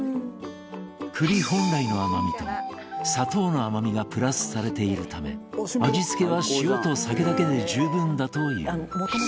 栗本来の甘みと砂糖の甘みがプラスされているため味付けは塩と酒だけで十分だという